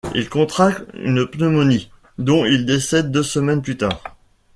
Il contracte une pneumonie, dont il décède deux semaines plus tard.